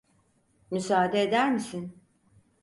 Müsaade eder misin?